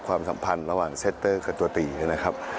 ความสัมพันธ์ระหว่างเซตเตอร์กับตัวตีนะครับ